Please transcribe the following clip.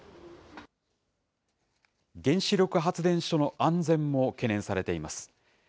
原子力発電所の安全も懸念されています。